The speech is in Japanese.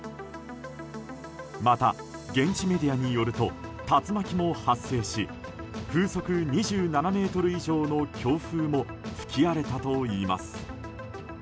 また、現地メディアによると竜巻も発生し風速２７メートル以上の強風も吹き荒れたといいます。